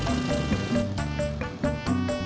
jualan harga dua ratus ribufont